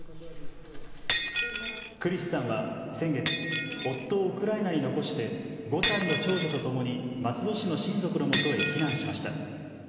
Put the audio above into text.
クリスさんは先月、夫をウクライナに残して５歳の長女とともに松戸市の親族のもとへ避難しました。